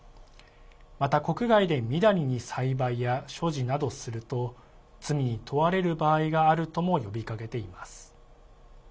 また、国外でみだりに栽培や所持などすると罪に問われる場合があるとも呼びかけています。